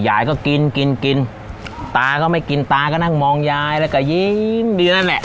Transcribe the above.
ยายก็กินกินกินตาก็ไม่กินตาก็นั่งมองยายแล้วก็ยิ้มดีนั่นแหละ